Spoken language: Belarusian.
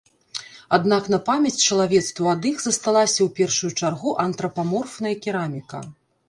Аднак на памяць чалавецтву ад іх засталася ў першую чаргу антрапаморфная кераміка.